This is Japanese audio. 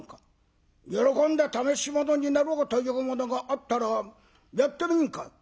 喜んで試しものになろうという者があったらやってみんか」。